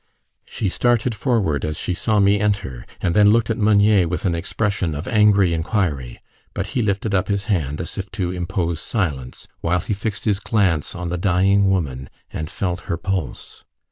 She started forward as she saw me enter, and then looked at Meunier with an expression of angry inquiry; but he lifted up his hand as if to impose silence, while he fixed his glance on the dying woman and felt her pulse.